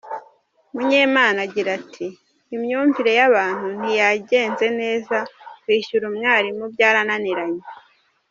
Munyemana agira ati “Imyumvire y’abantu ntiyagenze neza; kwishyura umwarimu byarananiranye.